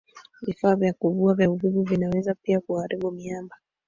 Vifaa vya kuvua vya uvuvi vinaweza pia kuharibu miamba